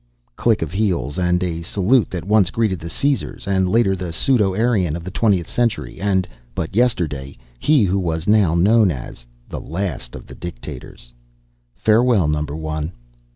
Click of heels and a salute that once greeted the Caesars, and later the pseudo Aryan of the 20th Century, and, but yesterday, he who was now known as the last of the dictators. "Farewell, Number One!"